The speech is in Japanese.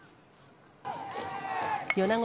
米子